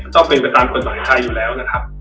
ก็เป็นไปตามกฎหมายไทยอยู่แล้วนะครับ